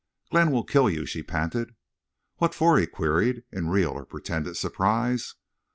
"Glenn will kill—you," she panted. "What fer?" he queried, in real or pretended surprise.